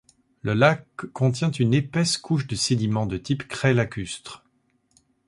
Le lac contient une épaisse couche de sédiment de type craie lacustre.